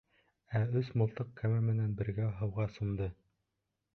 Ә өс мылтыҡ кәмә менән бергә һыуға сумды.